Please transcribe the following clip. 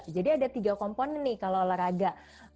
jadi ada tiga komponen nih kalau olahraga